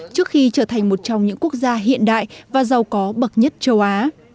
trước khi trở thành một trong những quốc gia hiện đại và giàu có bậc nhất châu á